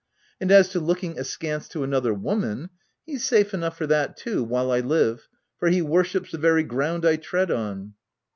And as to looking askance to another woman — he's safe enough for that too, while I live, for he worships the very ground I tread on."